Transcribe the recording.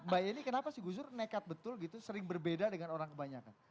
mbak yeni kenapa sih gus dur nekat betul gitu sering berbeda dengan orang kebanyakan